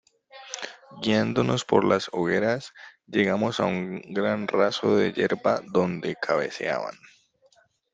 guiándonos por las hogueras, llegamos a un gran raso de yerba donde cabeceaban